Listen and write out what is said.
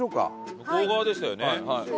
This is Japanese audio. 向こう側でしたね。